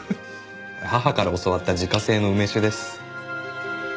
母から教わった自家製の梅酒です。